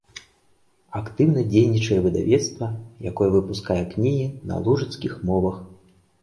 Актыўна дзейнічае выдавецтва, якое выпускае кнігі на лужыцкіх мовах.